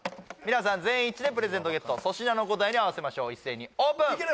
皆さん全員一致でプレゼントゲット粗品の答えに合わせましょう一斉にオープン！